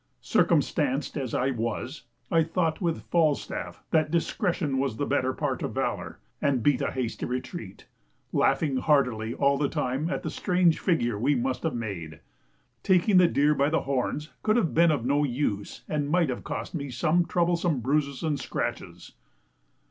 Circumstanced as I was, I thought with Falstaff "that discretion was the better part of valour", and beat a hasty retreat, laughing heartily all the time at the strange figure we must have made. Taking the deer by the horns could have been of no use, and might have cost me some troublesome bruises and scratches.